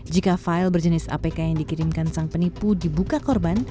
jika file berjenis apk yang dikirimkan sang penipu dibuka korban